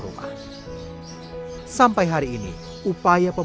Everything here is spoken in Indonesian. rubang terbaik itu bukan cuma makanan pculuk